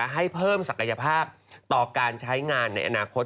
ให้เพิ่มศักยภาพต่อการใช้งานในอนาคต